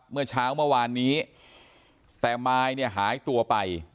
เมื่อเช้าเมื่อวานนี้แต่มายเนี่ยหายตัวไป